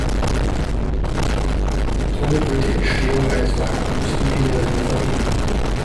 Somit wird die Entstehung eines Vakuums im Inneren vermieden.